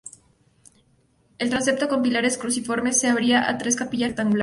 El transepto con pilares cruciformes se abría a tres capillas rectangulares.